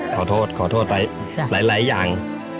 ขอโทษขอโทษไปหลายอย่าง